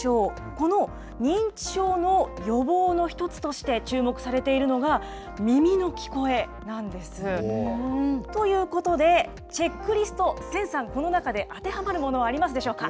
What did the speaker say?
この認知症の予防の一つとして、注目されているのが、耳の聞こえなんです。ということで、チェックリスト、千さん、この中であてはまるものはありますでしょうか？